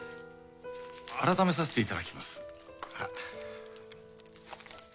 改めさせていただきます。